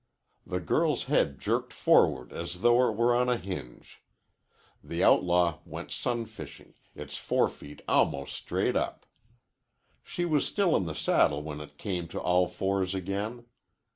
The girl's head jerked forward as though it were on a hinge. The outlaw went sunfishing, its forefeet almost straight up. She was still in the saddle when it came to all fours again.